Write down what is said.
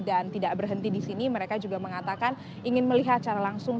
dan tidak berhenti disini mereka juga mengatakan ingin melihat secara langsung